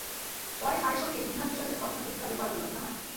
পরে স্যারের সঙ্গে ইতিহাসবিষয়ক একটি গবেষণা পত্রিকা বের করার পরিকল্পনা হয়।